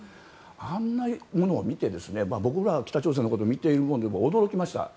あんなものを見て僕が北朝鮮のことを見ている中で驚きました。